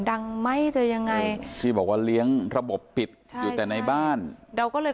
ดังไหมจะยังไงที่บอกว่าเลี้ยงระบบปิดใช่อยู่แต่ในบ้านเราก็เลย